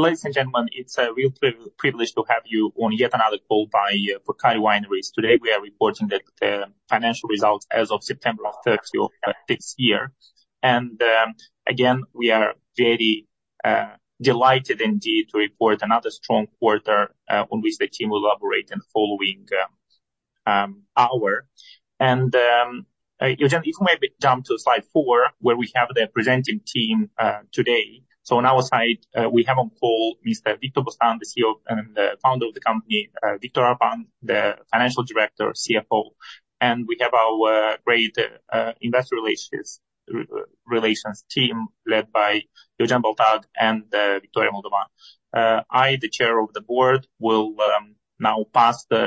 Ladies and gentlemen, it's a real privilege to have you on yet another call by Purcari Wineries. Today, we are reporting that financial results as of September 30 of this year. Again, we are very delighted indeed to report another strong quarter, on which the team will elaborate in the following hour. You can maybe jump to slide four, where we have the presenting team today. So on our side, we have on call Mr. Victor Bostan, the CEO and founder of the company, Victor Arapan, the Financial Director, CFO, and we have our great investor relations team, led by Eugeniu Baltag and Victoria Moldovan. I, the Chair of the Board, will now pass the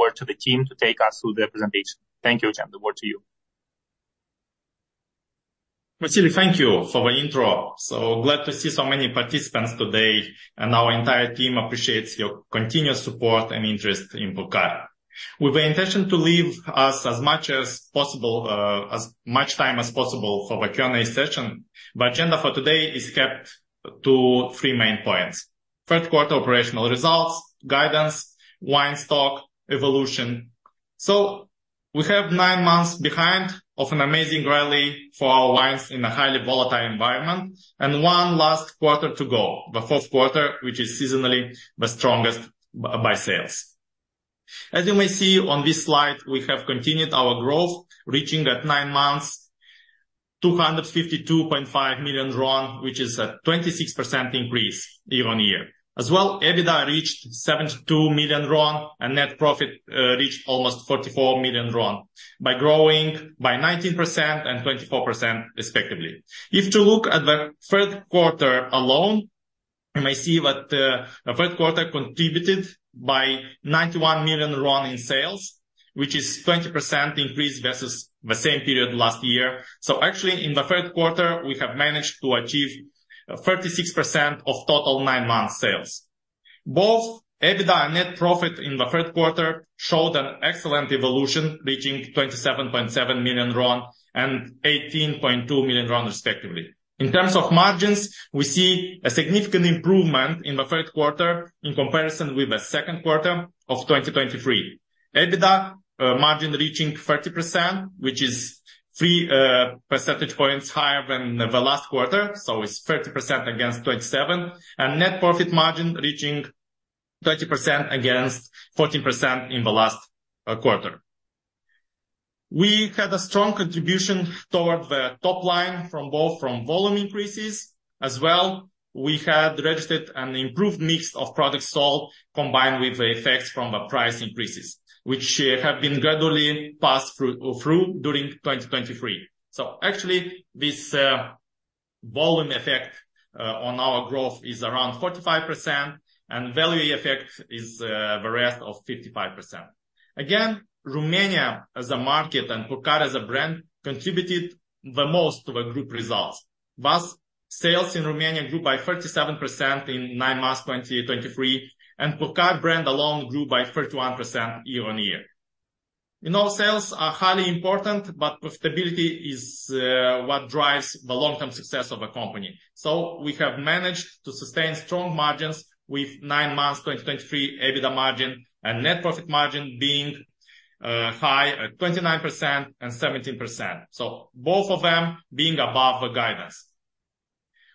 word to the team to take us through the presentation. Thank you, Eugen, the word to you. Vasile, thank you for the intro. So glad to see so many participants today, and our entire team appreciates your continuous support and interest in Purcari. With the intention to leave us as much as possible, as much time as possible for the Q&A session, the agenda for today is kept to three main points: third quarter operational results, guidance, wine stock evolution. So we have nine months behind of an amazing rally for our wines in a highly volatile environment, and one last quarter to go, the fourth quarter, which is seasonally the strongest by sales. As you may see on this slide, we have continued our growth, reaching at nine months, RON 252.5 million, which is a 26% increase year-on-year. As well, EBITDA reached RON 72 million, and net profit, uh, reached almost RON 44 million, by growing by 19% and 24% respectively. If to look at the third quarter alone, you may see that, the third quarter contributed by RON 91 million in sales, which is 20% increase versus the same period last year. So actually, in the third quarter, we have managed to achieve 36% of total nine-month sales. Both EBITDA and net profit in the third quarter showed an excellent evolution, reaching RON 27.7 million and RON 18.2 million, respectively. In terms of margins, we see a significant improvement in the third quarter in comparison with the second quarter of 2023. EBITDA margin reaching 30%, which is 3 percentage points higher than the last quarter, so it's 30% against 27%, and net profit margin reaching 30% against 14% in the last quarter. We had a strong contribution toward the top line from both volume increases as well. We had registered an improved mix of products sold, combined with the effects from the price increases, which have been gradually passed through during 2023. So actually, this volume effect on our growth is around 45%, and value effect is the rest of 55%. Again, Romania as a market and Purcari as a brand contributed the most to the group results. Thus, sales in Romania grew by 37% in nine months, 2023, and Purcari brand alone grew by 31% year-on-year. We know sales are highly important, but profitability is what drives the long-term success of a company. So we have managed to sustain strong margins with nine months, 2023 EBITDA margin and net profit margin being high at 29% and 17%, so both of them being above the guidance.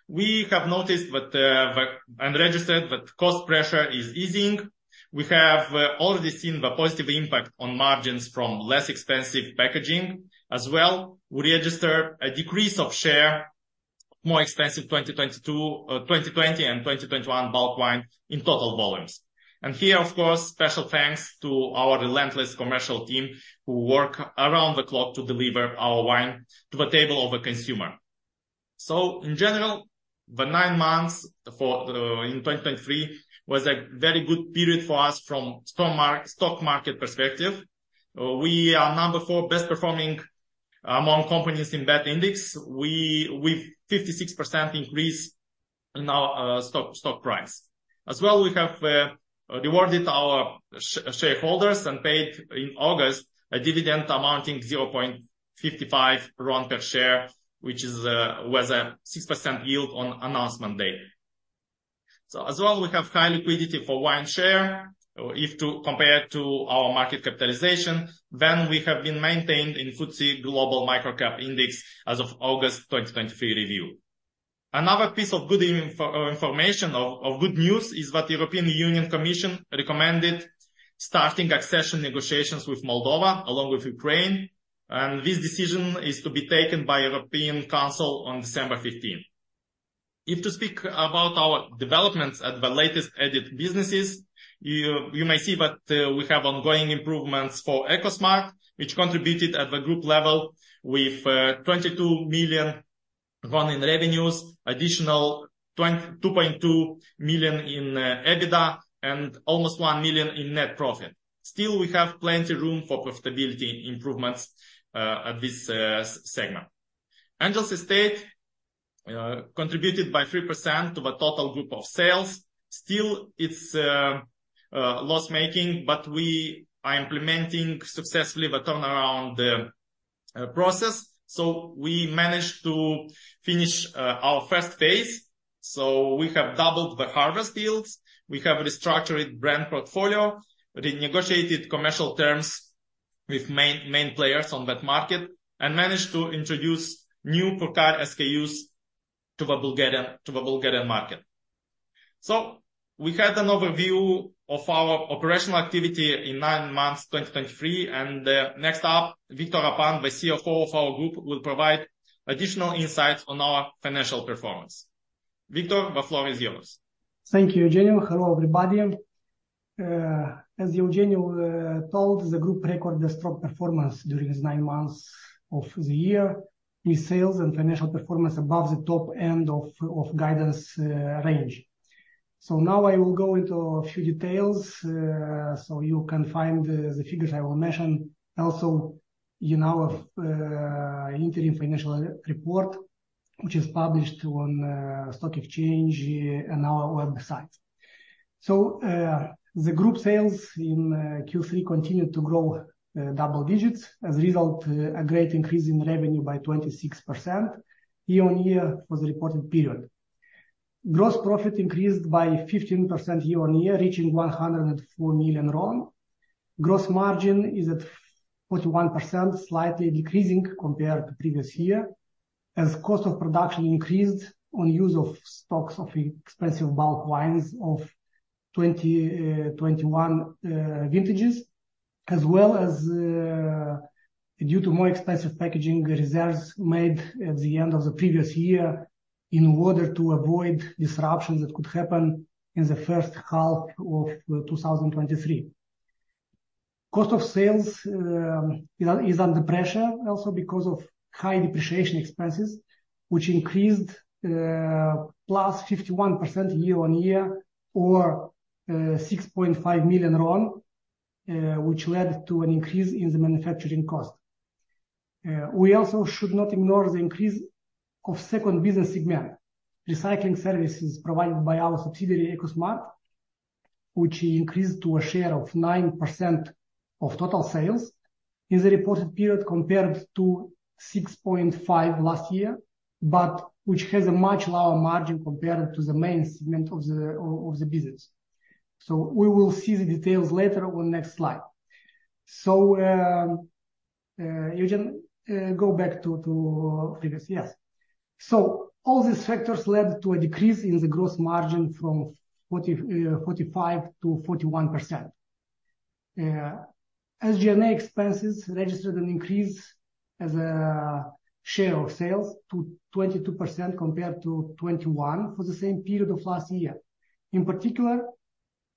We have noticed that and registered that cost pressure is easing. We have already seen the positive impact on margins from less expensive packaging. As well, we register a decrease of share, more expensive 2022, 2020 and 2021 bulk wine in total volumes. And here, of course, special thanks to our relentless commercial team, who work around the clock to deliver our wine to the table of a consumer. So in general, the nine months for in 2023 was a very good period for us from stock market perspective. We are number four best performing among companies in that index. With 56% increase in our stock price. As well, we have rewarded our shareholders and paid in August a dividend amounting 0.55 RON per share, which was a 6% yield on announcement date. So as well, we have high liquidity for WINE share. If to compare it to our market capitalization, then we have been maintained in FTSE Global Microcap Index as of August 2023 review. Another piece of good information or good news is that the European Union Commission recommended starting accession negotiations with Moldova, along with Ukraine, and this decision is to be taken by European Council on December fifteenth. If to speak about our developments at the latest acquired businesses, you may see that we have ongoing improvements for Ecosmart, which contributed at the group level with RON 22 million in revenues, additional RON 2.2 million in EBITDA, and almost RON 1 million in net profit. Still, we have plenty room for profitability improvements at this segment. Angel's Estate contributed 3% of a total group of sales. Still, it's loss-making, but we are implementing successfully the turnaround process. So we managed to finish our first phase. So we have doubled the harvest yields, we have restructured brand portfolio, renegotiated commercial terms with main, main players on that market, and managed to improve use new Purcari SKUs to the Bulgarian, to the Bulgarian market. So we had an overview of our operational activity in nine months, 2023, and next up, Victor Arapan, the CFO of our group, will provide additional insight on our financial performance. Victor, the floor is yours. Thank you, Eugene. Hello, everybody. As Eugene told, the group recorded a strong performance during these nine months of the year, with sales and financial performance above the top end of guidance range. So now I will go into a few details, so you can find the figures I will mention. Also, in our interim financial report, which is published on stock exchange and our website. So the group sales in Q3 continued to grow double digits. As a result, a great increase in revenue by 26% year-on-year for the reported period. Gross profit increased by 15% year-on-year, reaching RON 104 million. Gross margin is at 41%, slightly decreasing compared to previous year, as cost of production increased on use of stocks of expensive bulk wines of 20, 21 vintages, as well as due to more expensive packaging reserves made at the end of the previous year in order to avoid disruptions that could happen in the first half of 2023. Cost of sales is under pressure also because of high depreciation expenses, which increased plus 51% year-on-year or RON 6.5 million, which led to an increase in the manufacturing cost. We also should not ignore the increase of second business segment. Recycling services provided by our subsidiary, EcoSmart, which increased to a share of 9% of total sales in the reported period, compared to 6.5% last year, but which has a much lower margin compared to the main segment of the business. So we will see the details later on next slide. So, Eugeniu, go back to previous... Yes. So all these factors led to a decrease in the gross margin from 45% to 41%. SG&A expenses registered an increase as a share of sales to 22% compared to 21% for the same period of last year. In particular,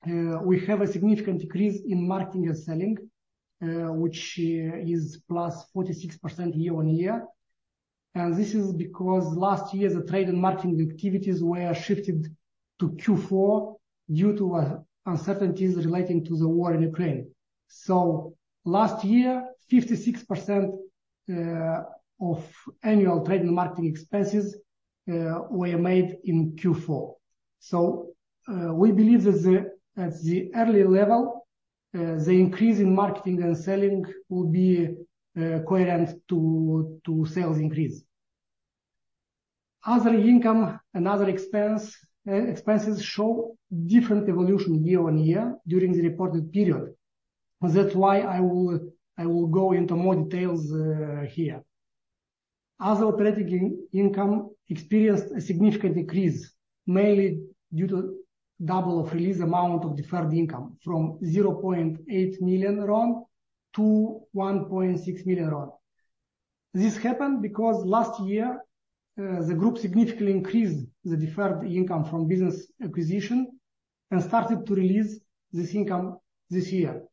we have a significant increase in marketing and selling, which is +46% year-on-year. And this is because last year, the trade and marketing activities were shifted to Q4 due to uncertainties relating to the war in Ukraine. So last year, 56%, of annual trade and marketing expenses, were made in Q4. So, we believe that the, at the early level, the increase in marketing and selling will be, coherent to, to sales increase. Other income and other expense, expenses show different evolution year-on-year during the reported period. That's why I will, I will go into more details, here. Other operating income experienced a significant decrease, mainly due to double of release amount of deferred income from RON 0.8 million to RON 1.6 million. This happened because last year, the group significantly increased the deferred income from business acquisition and started to release this income this year,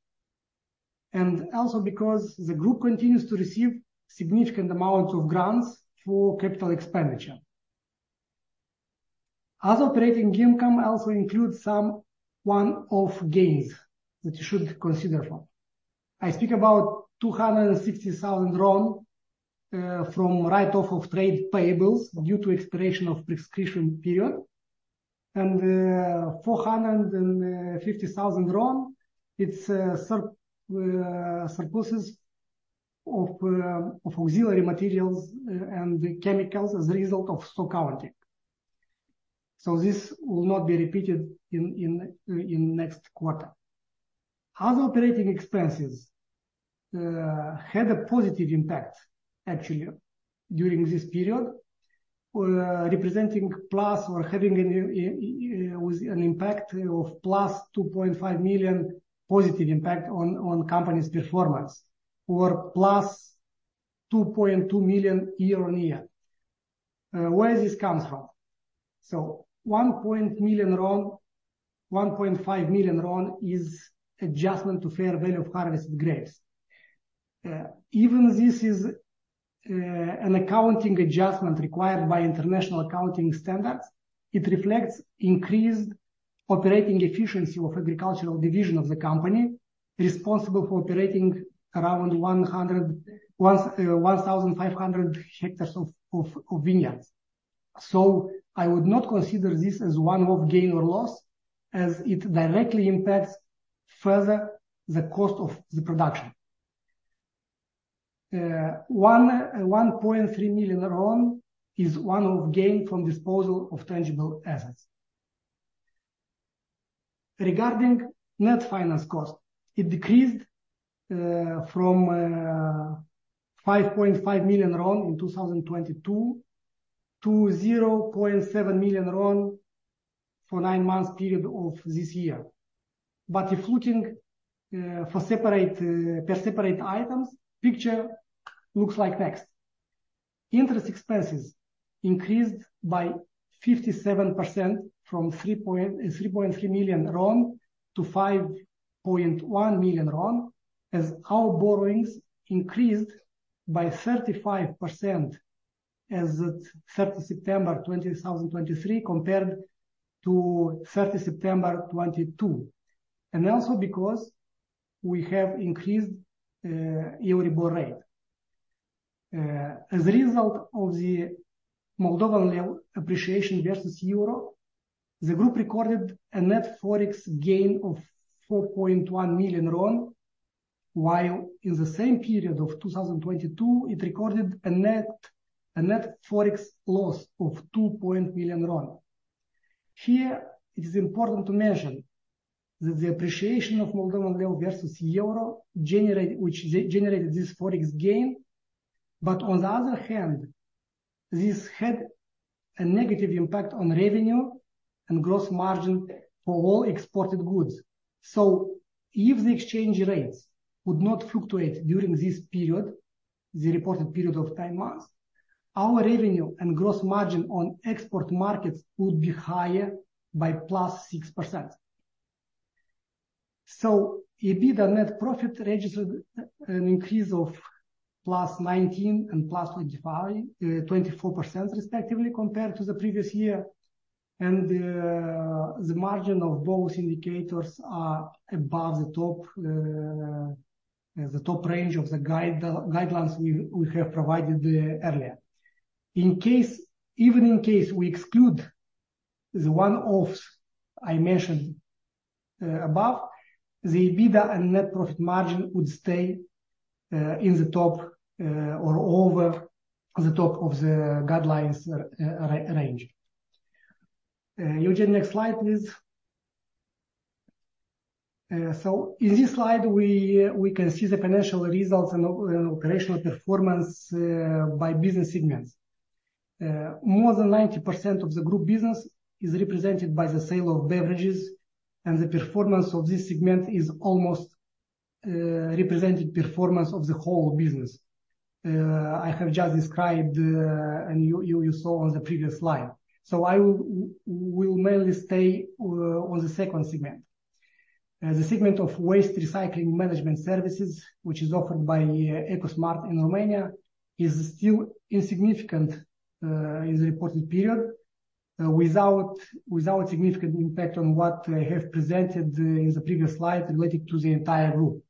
and also because the group continues to receive significant amount of grants for capital expenditure. Other operating income also includes some one-off gains that you should consider from. I speak about 260,000 RON from write-off of trade payables due to expiration of prescription period, and 450,000 RON, it's surpluses of auxiliary materials and chemicals as a result of stock counting. So this will not be repeated in next quarter. Other operating expenses had a positive impact, actually, during this period, representing plus or having an impact of +RON 2.5 million positive impact on company's performance, or +RON 2.2 million year-on-year. Where this comes from? So RON 1 million, RON 1.5 million is adjustment to fair value of harvested grapes. Even this is an accounting adjustment required by International Accounting Standards. It reflects increased operating efficiency of agricultural division of the company, responsible for operating around 1,500 hectares of vineyards. So I would not consider this as a gain or loss, as it directly impacts further the cost of the production. RON 1.3 million is a gain from disposal of tangible assets. Regarding net finance cost, it decreased from RON 5.5 million in 2022 to RON 0.7 million for nine months period of this year. But if looking for separate per separate items, picture looks like next. Interest expenses increased by 57% from RON 3.3 million to RON 5.1 million, as our borrowings increased by 35% as at 3 September 2023, compared to 3 September 2022, and also because we have increased EURIBOR rate. As a result of the Moldovan Leu appreciation versus euro, the group recorded a net Forex gain of RON 4.1 million, while in the same period of 2022, it recorded a net Forex loss of RON 2 million. Here, it is important to mention that the appreciation of Moldovan Leu versus euro generated this Forex gain. But on the other hand, this had a negative impact on revenue and gross margin for all exported goods. So if the exchange rates would not fluctuate during this period, the reported period of nine months, our revenue and gross margin on export markets would be higher by +6%. So EBITDA net profit registered an increase of +19 and +24 percent respectively, compared to the previous year. And the margin of both indicators are above the top range of the guidelines we have provided earlier. Even in case we exclude the one-offs I mentioned above, the EBITDA and net profit margin would stay in the top or over the top of the guidelines range. Eugene, next slide, please. So in this slide, we can see the financial results and operational performance by business segments. More than 90% of the group business is represented by the sale of beverages, and the performance of this segment is almost represented performance of the whole business I have just described, and you saw on the previous slide. So I will mainly stay on the second segment. The segment of waste recycling management services, which is offered by EcoSmart in Romania, is still insignificant in the reported period without significant impact on what I have presented in the previous slide relating to the entire group.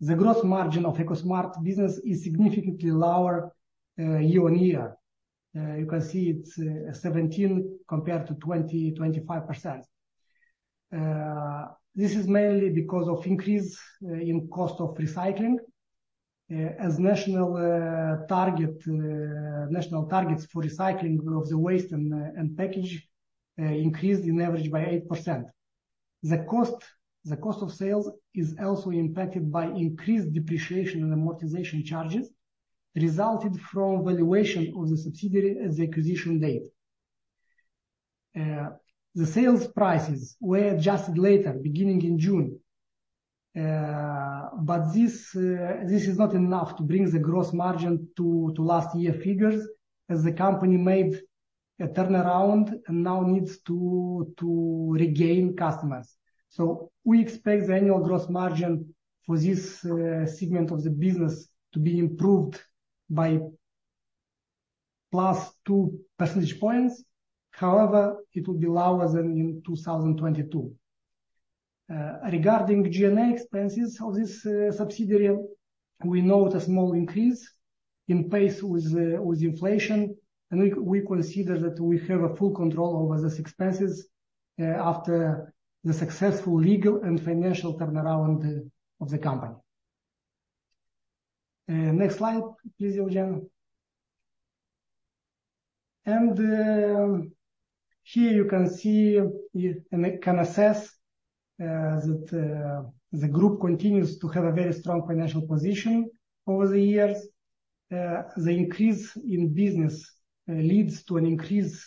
The gross margin of EcoSmart business is significantly lower year on year. You can see it's 17 compared to 20-25%. This is mainly because of increase in cost of recycling as national targets for recycling of the waste and package increased in average by 8%. The cost of sales is also impacted by increased depreciation and amortization charges resulted from valuation of the subsidiary as the acquisition date. The sales prices were adjusted later, beginning in June. But this is not enough to bring the gross margin to last year figures, as the company made a turnaround and now needs to regain customers. So we expect the annual gross margin for this segment of the business to be improved by +2 percentage points. However, it will be lower than in 2022. Regarding G&A expenses of this subsidiary, we note a small increase in pace with inflation, and we consider that we have a full control over these expenses after the successful legal and financial turnaround of the company. Next slide, please, Eugeniu. Here you can see, you can assess that the group continues to have a very strong financial position over the years. The increase in business leads to an increase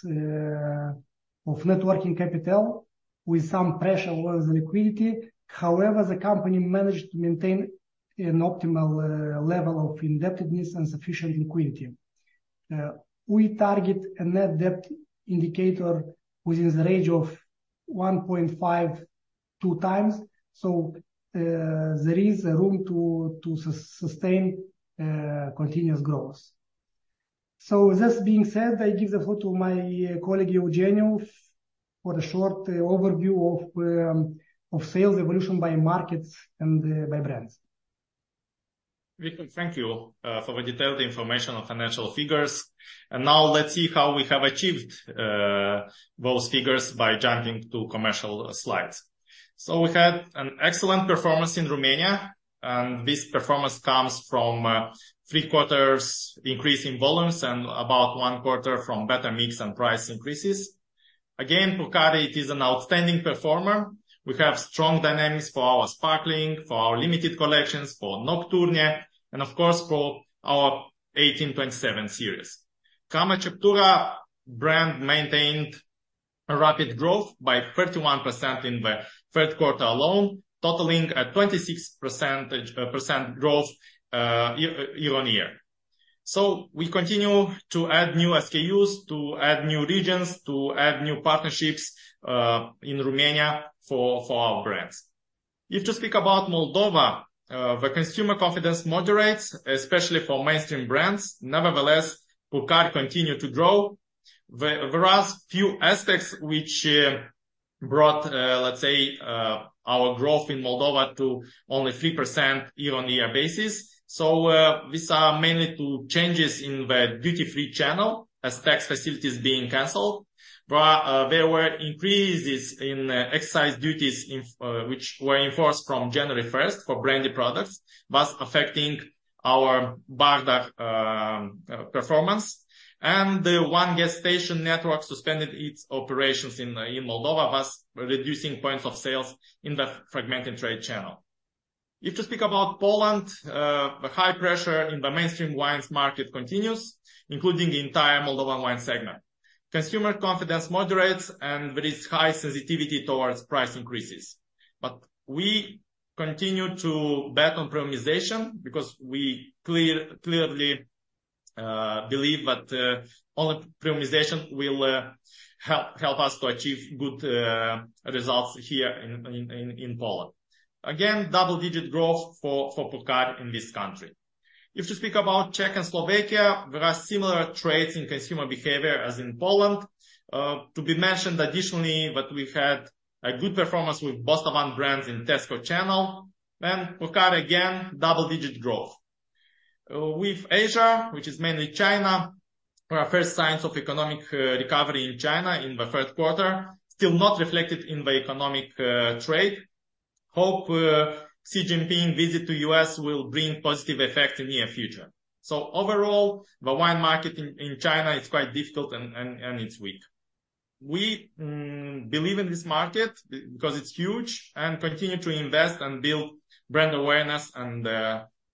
of Net Working capital with some pressure on the liquidity. However, the company managed to maintain an optimal level of indebtedness and sufficient liquidity. We target a net debt indicator within the range of 1.5-2 times, so there is a room to sustain continuous growth. So with this being said, I give the floor to my colleague, Eugeniu, for a short overview of sales evolution by markets and by brands.... Victor, thank you for the detailed information on financial figures. Now let's see how we have achieved those figures by jumping to commercial slides. So we had an excellent performance in Romania, and this performance comes from three quarters increase in volumes and about one quarter from better mix and price increases. Again, Purcari is an outstanding performer. We have strong dynamics for our sparkling, for our limited collections, for Nocturne, and of course, for our 1827 series. Crama Ceptura brand maintained a rapid growth by 31% in the third quarter alone, totaling at 26% growth year-on-year. So we continue to add new SKUs, to add new regions, to add new partnerships in Romania for our brands. If to speak about Moldova, the consumer confidence moderates, especially for mainstream brands. Nevertheless, Purcari continue to grow. There are a few aspects which brought, let's say, our growth in Moldova to only 3% year-on-year basis. So, these are mainly to changes in the duty-free channel as tax facilities being canceled. But, there were increases in excise duties in, which were enforced from January first for brandy products, thus affecting our Bardar performance. And the one gas station network suspended its operations in Moldova, thus reducing points of sales in the fragmented trade channel. If to speak about Poland, the high pressure in the mainstream wines market continues, including the entire Moldovan wine segment. Consumer confidence moderates, and there is high sensitivity towards price increases. But we continue to bet on premiumization because we clearly believe that all premiumization will help us to achieve good results here in Poland. Again, double-digit growth for Purcari in this country. If to speak about Czech and Slovakia, there are similar traits in consumer behavior as in Poland. To be mentioned additionally, but we've had a good performance with both of our brands in Tesco channel. And Purcari, again, double-digit growth. With Asia, which is mainly China, our first signs of economic recovery in China in the third quarter, still not reflected in the economic trade. Hope Xi Jinping visit to U.S. will bring positive effect in near future. So overall, the wine market in China is quite difficult and it's weak. We believe in this market because it's huge, and continue to invest and build brand awareness and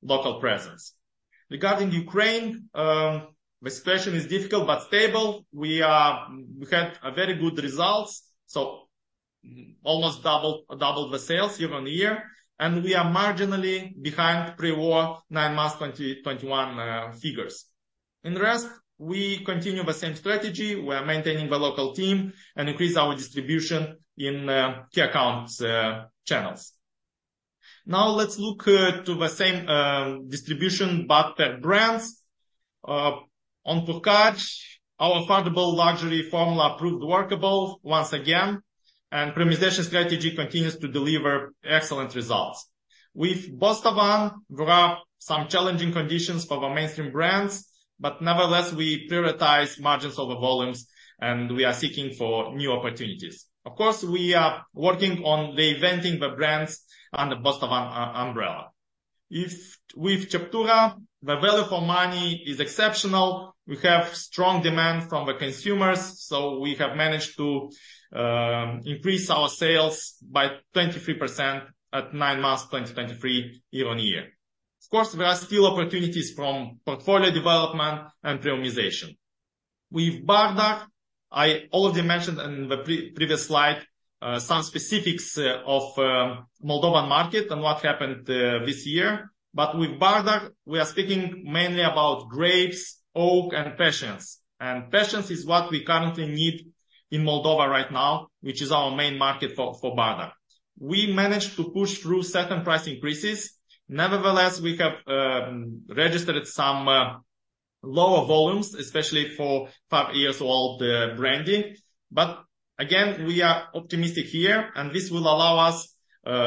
local presence. Regarding Ukraine, the situation is difficult but stable. We had a very good results, so almost double, doubled the sales year-on-year, and we are marginally behind pre-war nine months, 2021 figures. In the rest, we continue the same strategy. We are maintaining the local team and increase our distribution in key accounts channels. Now, let's look to the same distribution, but the brands. On Purcari, our affordable luxury formula proved workable once again, and premiumization strategy continues to deliver excellent results. With Bostavan, there are some challenging conditions for the mainstream brands, but nevertheless, we prioritize margins over volumes, and we are seeking for new opportunities. Of course, we are working on expanding the brands on the Bostavan umbrella. As with Ceptura, the value for money is exceptional. We have strong demand from the consumers, so we have managed to increase our sales by 23% at 9 months, 2023, year-on-year. Of course, there are still opportunities from portfolio development and premiumization. With Bardar, I already mentioned in the previous slide some specifics of Moldovan market and what happened this year. But with Bardar, we are speaking mainly about grapes, oak, and patience, and patience is what we currently need in Moldova right now, which is our main market for Bardar. We managed to push through certain price increases. Nevertheless, we have registered some lower volumes, especially for five-year-old brandy. But again, we are optimistic here, and this will allow us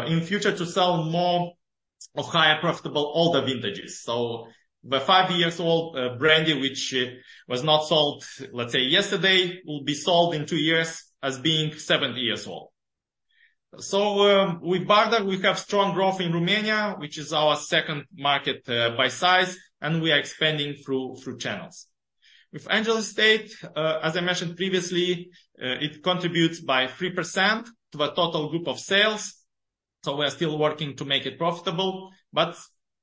in future to sell more of higher profitable older vintages. So the 5-year-old brandy, which was not sold, let's say yesterday, will be sold in 2 years as being 7-year-old. So with Bardar, we have strong growth in Romania, which is our second market by size, and we are expanding through channels. With Angels Estate, as I mentioned previously, it contributes by 3% to the total group of sales, so we are still working to make it profitable. But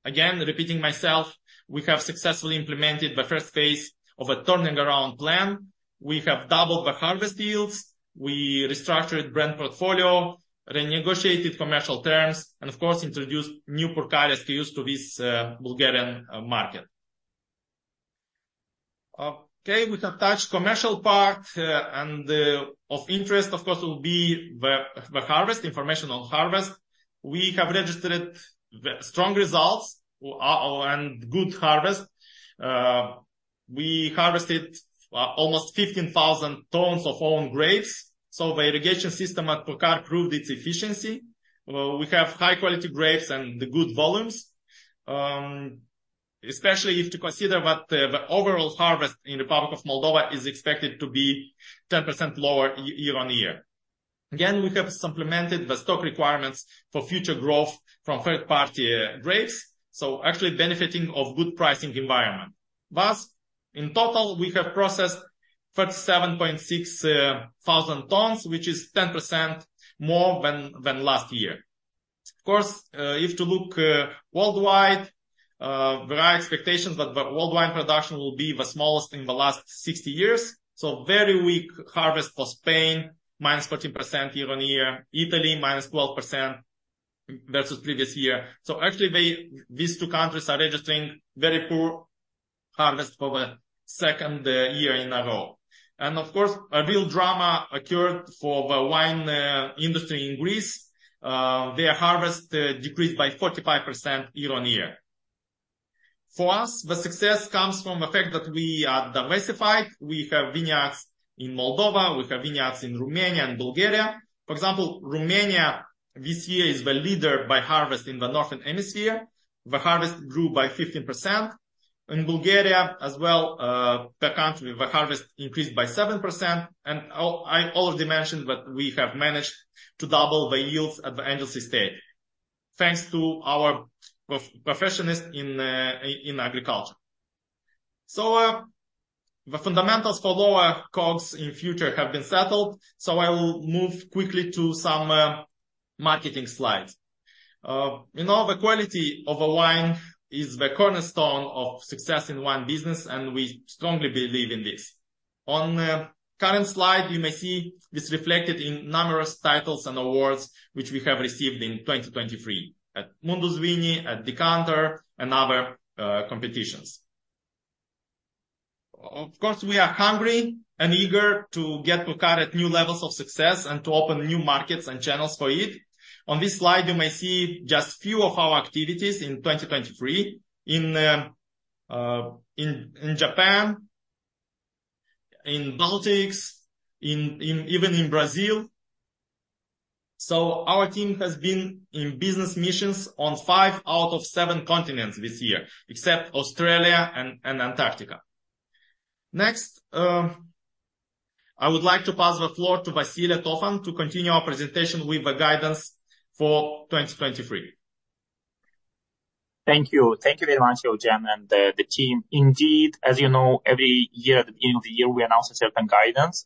again, repeating myself, we have successfully implemented the first phase of a turning around plan. We have doubled the harvest yields, we restructured brand portfolio, renegotiated commercial terms, and of course, introduced new Purcari SKUs to this Bulgarian market. Okay, we can touch commercial part, and, of interest, of course, will be the harvest, information on harvest. We have registered the strong results, and good harvest. We harvested almost 15,000 tons of own grapes. So the irrigation system at Purcari proved its efficiency. We have high quality grapes and the good volumes, especially if to consider that the overall harvest in the Republic of Moldova is expected to be 10% lower year-on-year. Again, we have supplemented the stock requirements for future growth from third party grapes, so actually benefiting of good pricing environment. Thus, in total, we have processed 37,600 tons, which is 10% more than last year. Of course, if to look worldwide, there are expectations that the worldwide production will be the smallest in the last 60 years. So very weak harvest for Spain, minus 14% year-on-year. Italy, minus 12% versus previous year. So actually, these two countries are registering very poor harvest for the second year in a row. And of course, a real drama occurred for the wine industry in Greece. Their harvest decreased by 45% year-on-year. For us, the success comes from the fact that we are diversified. We have vineyards in Moldova, we have vineyards in Romania and Bulgaria. For example, Romania, this year, is the leader by harvest in the northern hemisphere. The harvest grew by 15%. In Bulgaria as well, the country, the harvest increased by 7%. I already mentioned that we have managed to double the yields at the Angel's Estate, thanks to our professionalism in agriculture. The fundamentals for lower COGS in future have been settled, so I will move quickly to some marketing slides. You know, the quality of a wine is the cornerstone of success in wine business, and we strongly believe in this. On current slide, you may see it's reflected in numerous titles and awards, which we have received in 2023, at Mundus Vini, at Decanter and other competitions. Of course, we are hungry and eager to get Purcari at new levels of success and to open new markets and channels for it. On this slide, you may see just few of our activities in 2023, in Japan, in Baltics, in even in Brazil. So our team has been in business missions on five out of seven continents this year, except Australia and Antarctica. Next, I would like to pass the floor to Vasile Tofan to continue our presentation with the guidance for 2023. Thank you. Thank you very much, Eugen and the team. Indeed, as you know, every year, at the beginning of the year, we announce a certain guidance.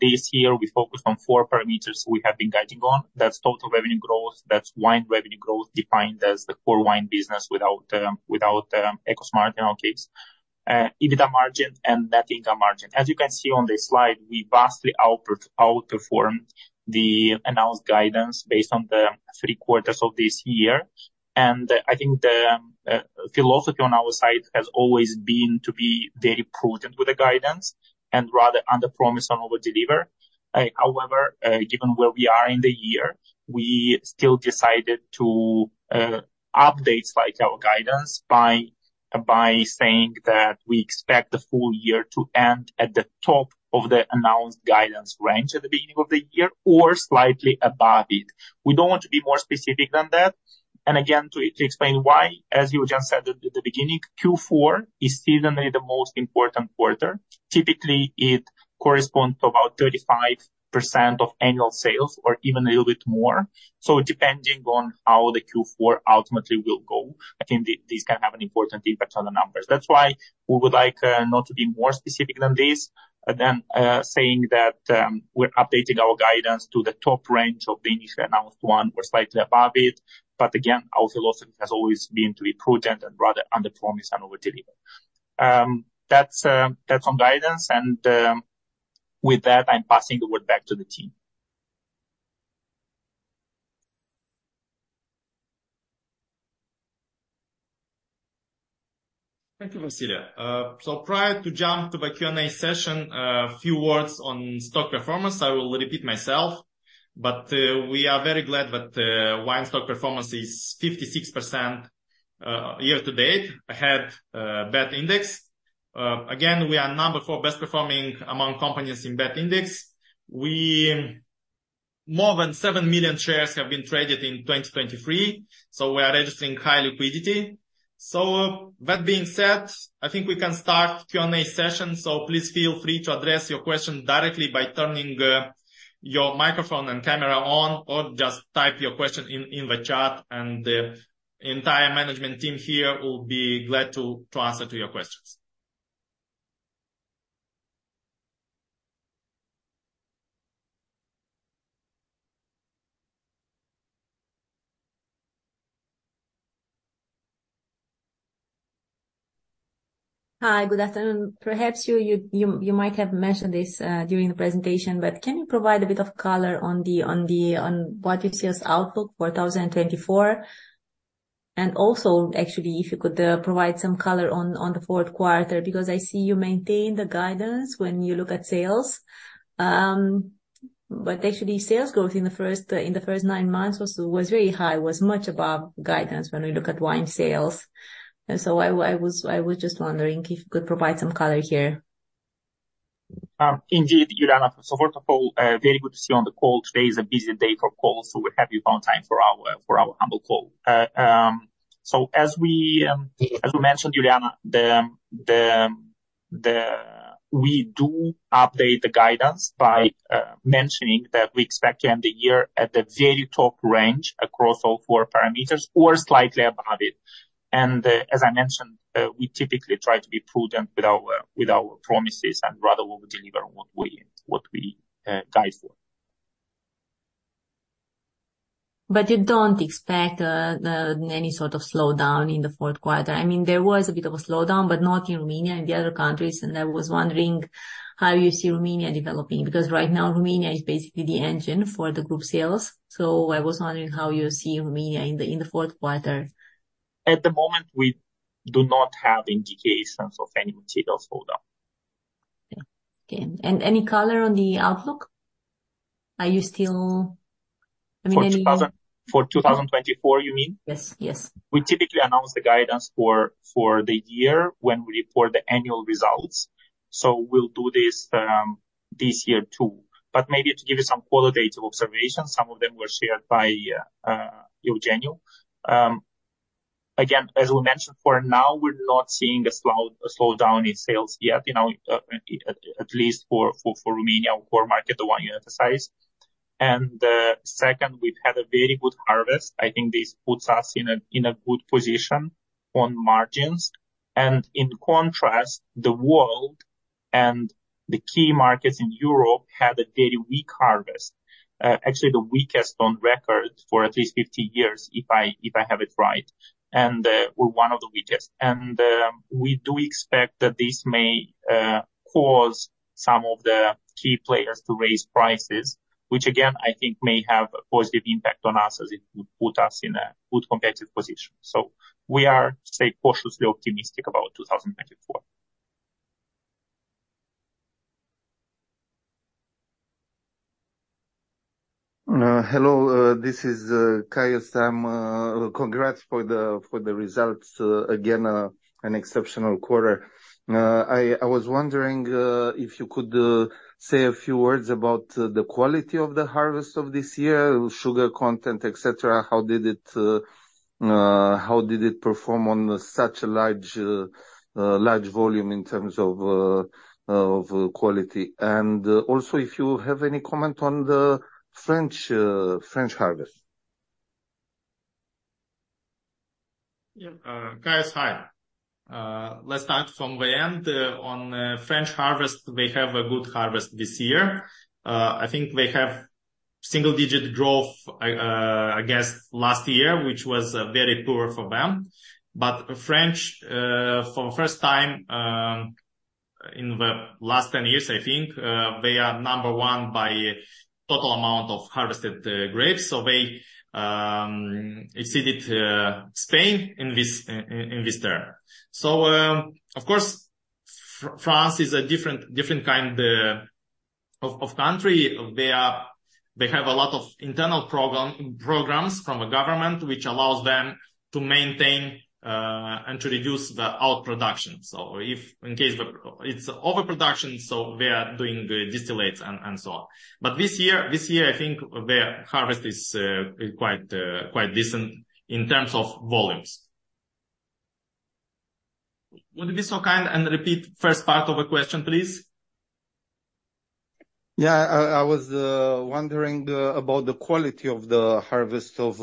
This year, we focused on four parameters we have been guiding on. That's total revenue growth, that's wine revenue growth, defined as the core wine business without EcoSmart in our case, EBITDA margin, and net income margin. As you can see on this slide, we vastly outperformed the announced guidance based on the three quarters of this year. I think the philosophy on our side has always been to be very prudent with the guidance and rather underpromise and overdeliver. However, given where we are in the year, we still decided to update slide our guidance by saying that we expect the full year to end at the top of the announced guidance range at the beginning of the year or slightly above it. We don't want to be more specific than that. And again, to explain why, as you just said at the beginning, Q4 is seasonally the most important quarter. Typically, it corresponds to about 35% of annual sales or even a little bit more. So depending on how the Q4 ultimately will go, I think this can have an important impact on the numbers. That's why we would like not to be more specific than this, and then saying that we're updating our guidance to the top range of the initially announced one or slightly above it. But again, our philosophy has always been to be prudent and rather underpromise and overdeliver. That's on guidance, and with that, I'm passing the word back to the team. Thank you, Vasile. So prior to jump to the Q&A session, a few words on stock performance. I will repeat myself, but, we are very glad that wine stock performance is 56%, year to date, ahead BET Index. Again, we are number 4 best performing among companies in BET Index. More than 7 million shares have been traded in 2023, so we are registering high liquidity. So with that being said, I think we can start Q&A session. Please feel free to address your question directly by turning your microphone and camera on, or just type your question in the chat, and the entire management team here will be glad to answer to your questions. Hi, good afternoon. Perhaps you might have mentioned this during the presentation, but can you provide a bit of color on what you see as outlook for 2024? And also, actually, if you could provide some color on the fourth quarter, because I see you maintained the guidance when you look at sales. But actually, sales growth in the first nine months was very high, was much above guidance when we look at wine sales. And so I was just wondering if you could provide some color here. Indeed, Juliana. So first of all, very good to see you on the call. Today is a busy day for calls, so we're happy you found time for our humble call. So as we mentioned, Juliana, we do update the guidance by mentioning that we expect to end the year at the very top range across all four parameters or slightly above it. And as I mentioned, we typically try to be prudent with our promises and rather we deliver what we guide for. But you don't expect any sort of slowdown in the fourth quarter? I mean, there was a bit of a slowdown, but not in Romania and the other countries, and I was wondering how you see Romania developing. Because right now, Romania is basically the engine for the group sales. So I was wondering how you see Romania in the fourth quarter. At the moment, we do not have indications of any material slowdown. Okay. And any color on the outlook? Are you still, I mean, any- For 2024, you mean? Yes, yes. We typically announce the guidance for the year when we report the annual results. So we'll do this, this year, too. But maybe to give you some qualitative observations, some of them were shared by Eugeniu. Again, as we mentioned, for now, we're not seeing a slow, a slowdown in sales yet, you know, at least for Romania, our core market, the one you emphasized. And second, we've had a very good harvest. I think this puts us in a good position on margins. And in contrast, the world and the key markets in Europe had a very weak harvest. Actually, the weakest on record for at least 50 years, if I have it right, and we're one of the weakest. We do expect that this may cause some of the key players to raise prices, which again, I think may have a positive impact on us as it would put us in a good competitive position. So we are, say, cautiously optimistic about 2024. Hello, this is Caius. Congrats for the results. Again, an exceptional quarter. I was wondering if you could say a few words about the quality of the harvest of this year, sugar content, et cetera. How did it perform on such a large volume in terms of quality? Also, if you have any comment on the French harvest. Yeah, Caius, hi. Let's start from the end. On French harvest, they have a good harvest this year. I think they have single-digit growth, I guess, last year, which was very poor for them. But France, for the first time, in the last 10 years, I think, they are number one by total amount of harvested grapes. So they exceeded Spain in this term. So, of course, France is a different kind of country. They have a lot of internal programs from the government, which allows them to maintain and to reduce the output production. So if in case it's overproduction, so we are doing the distillates and so on. But this year, this year, I think their harvest is quite decent in terms of volumes. Would you be so kind and repeat first part of the question, please? Yeah, I was wondering about the quality of the harvest of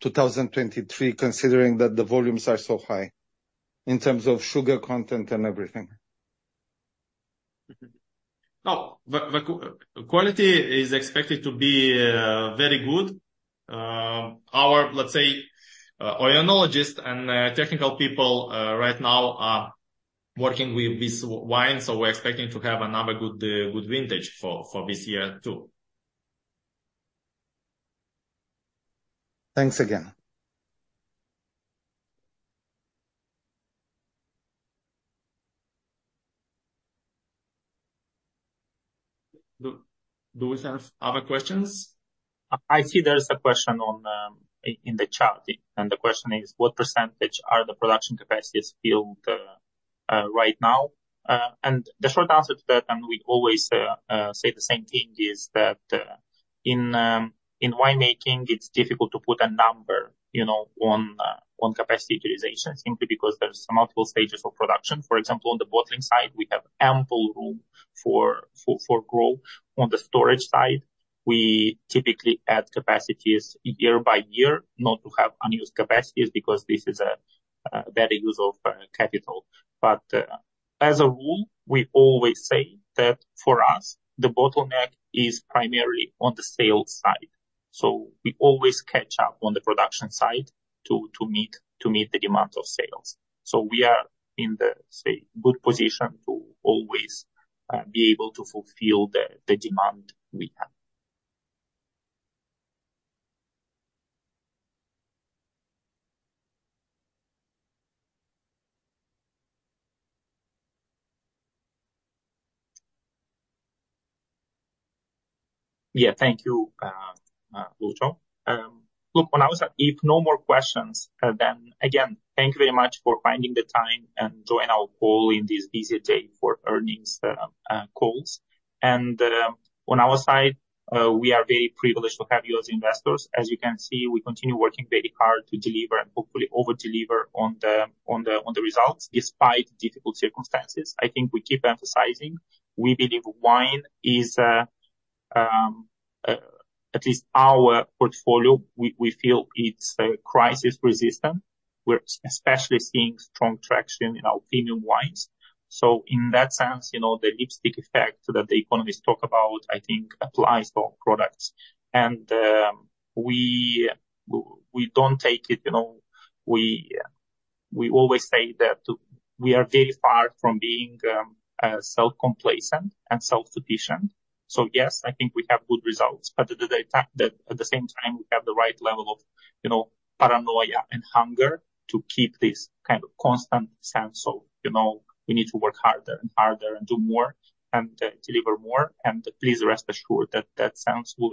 2023, considering that the volumes are so high, in terms of sugar content and everything. Mhm. Oh, the quality is expected to be very good. Our, let's say, oenologist and technical people right now are working with wine, so we're expecting to have another good good vintage for this year, too. Thanks again. Do we have other questions? I see there's a question in the chat, and the question is, "What percentage are the production capacities filled right now?" and the short answer to that, and we always say the same thing, is that in wine making, it's difficult to put a number, you know, on capacity utilization, simply because there's multiple stages of production. For example, on the bottling side, we have ample room for growth. On the storage side, we typically add capacities year by year, not to have unused capacities, because this is a better use of capital. But as a rule, we always say that for us, the bottleneck is primarily on the sales side. So we always catch up on the production side to meet the demand of sales. So we are in the say good position to always be able to fulfill the demand we have. Yeah, thank you, Lucho. If no more questions, then again, thank you very much for finding the time and joining our call in this busy day for earnings calls. And on our side, we are very privileged to have you as investors. As you can see, we continue working very hard to deliver and hopefully over-deliver on the results, despite difficult circumstances. I think we keep emphasizing, we believe wine is at least our portfolio, we feel it's crisis resistant. We're especially seeing strong traction in our premium wines. So in that sense, you know, the lipstick effect that the economists talk about, I think, applies to our products. We don't take it. You know, we always say that we are very far from being self-complacent and self-sufficient. So yes, I think we have good results, but at the fact that at the same time, we have the right level of, you know, paranoia and hunger to keep this kind of constant sense of, you know, we need to work harder and harder and do more and deliver more. And please rest assured that that sense will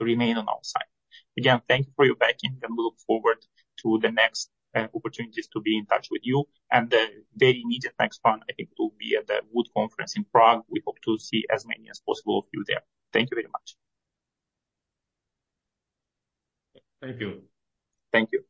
remain on our side. Again, thank you for your backing, and we look forward to the next opportunities to be in touch with you. And the very immediate next one, I think, will be at the Wood Conference in Prague. We hope to see as many as possible of you there. Thank you very much. Thank you. Thank you. Bye.